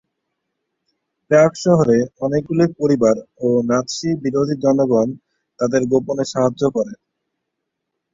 প্রাগ শহরে অনেকগুলি পরিবার ও নাৎসি বিরোধী জনগণ তাদের গোপনে সাহায্য করেন।